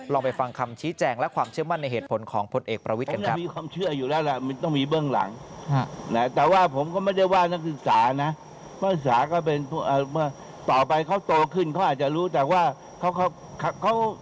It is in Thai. ลองไปฟังคำชี้แจงและความเชื่อมั่นในเหตุผลของพลเอกประวิทย์กันครับ